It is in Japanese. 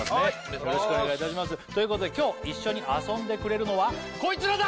よろしくお願いいたしますということで今日一緒に遊んでくれるのはこいつらだ！